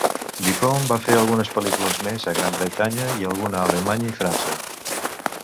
Dupont va fer algunes pel·lícules més a Gran Bretanya i alguna a Alemanya i França.